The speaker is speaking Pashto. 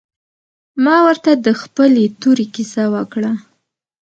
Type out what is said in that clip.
ما ورته د خپلې تورې کيسه وکړه.